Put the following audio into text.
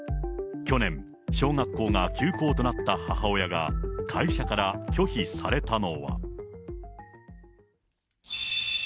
去年、小学校が休校となった母親が、会社から拒否されたのは。